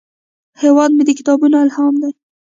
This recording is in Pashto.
هیواد مې د کتابونو الهام دی